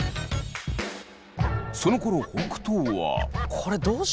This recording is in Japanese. そのころ北斗は。